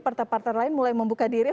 partai partai lain mulai membuka diri